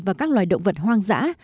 và các loài động vật hoang dã